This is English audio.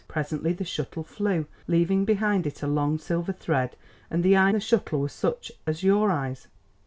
Presently the shuttle flew, leaving behind it a long silver thread, and the eyes in the shuttle were such as your eyes.